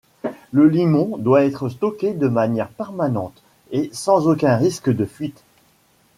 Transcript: Le limon doit être stocké de manière permanente et sans aucun risque de fuite.